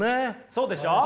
そうでしょう？